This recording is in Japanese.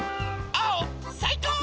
あおさいこう！